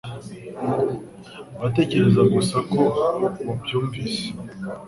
Uratekereza gusa ko wabyumvise